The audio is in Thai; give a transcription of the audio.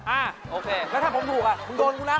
อ่าโอเคแล้วถ้าผมถูกคุณโดนกูนะ